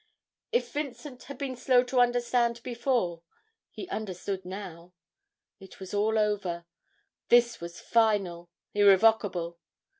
If Vincent had been slow to understand before, he understood now. It was all over; this was final, irrevocable.